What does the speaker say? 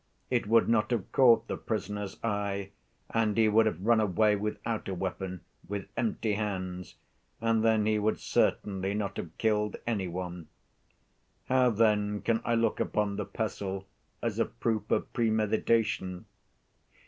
It would not have caught the prisoner's eye, and he would have run away without a weapon, with empty hands, and then he would certainly not have killed any one. How then can I look upon the pestle as a proof of premeditation?